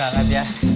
apa yang terjadi ya